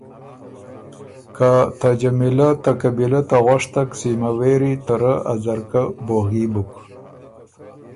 که ته جمیلۀ ته قبیلۀ ته غؤشتک ذمه وېری ته رۀ ا ځرکۀ بوغي بُک،